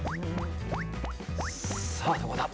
さあどこだ？